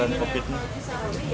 yang akan rata dari terminal ini